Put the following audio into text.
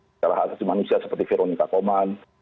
secara asasi manusia seperti veronica coman